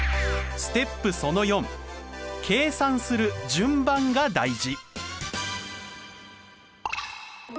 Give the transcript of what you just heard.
計算する順番が大事。